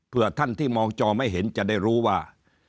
เพื่อท่านที่มองจอไม่เห็นจะได้รู้ว่า